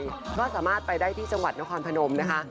ก็สามารถไปได้ที่จังหวัดนครพนมนะคะ